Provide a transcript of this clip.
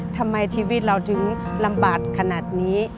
ทำไมชีวิตเราถึงลำบากขนาดนี้